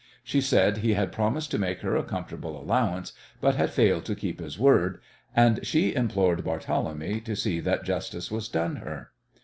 She said he had promised to make her a comfortable allowance, but had failed to keep his word, and she implored Barthélemy to see that justice was done her.